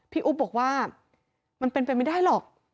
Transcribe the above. อุ๊บบอกว่ามันเป็นไปไม่ได้หรอก